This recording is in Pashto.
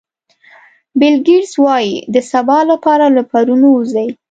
بیل ګېټس وایي د سبا لپاره له پرون ووځئ.